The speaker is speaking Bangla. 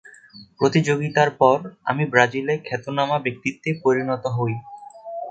প্রতিযোগিতার পর আমি ব্রাজিলে খ্যাতনামা ব্যক্তিত্বে পরিণত হই।